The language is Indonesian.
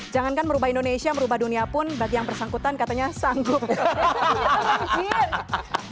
jangankan merubah indonesia merubah dunia pun bagi yang bersangkutan katanya sanggup